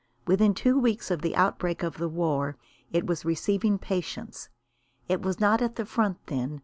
Within two weeks of the outbreak of the war it was receiving patients. It was not at the front then.